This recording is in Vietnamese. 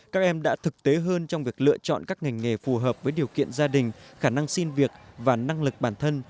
các em đã thực tế hơn trong việc lựa chọn các ngành nghề phù hợp với điều kiện gia đình khả năng xin việc và năng lực bản thân